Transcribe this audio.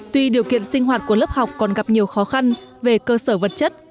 tuy điều kiện sinh hoạt của lớp học còn gặp nhiều khó khăn về cơ sở vật chất